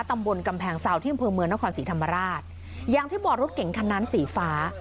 ตำบนกำแพงเซาที่เมืองเมืองนครศรีธรรมราชยังที่บอร์ดรถเก๋งคันนั้นสีฟ้า